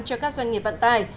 cho các doanh nghiệp vận tải